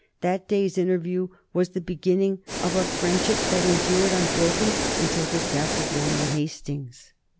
That day's interview was the beginning of a friendship that endured unbroken until the death of Warren Hastings.